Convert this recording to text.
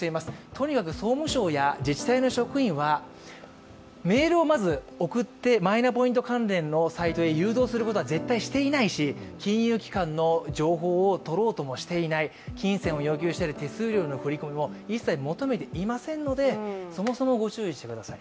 とにかく総務省や自治体の職員はメールをまず送ってマイナポイント関連のサイトに誘導することは絶対していないし金融機関の情報を取ろうともしていない、金銭を要求したり手数料の振り込みも一切求めていませんので、そもそもご注意ください。